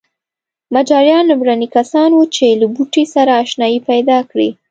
مجاریان لومړني کسان وو چې له بوټي سره اشنايي پیدا کړې.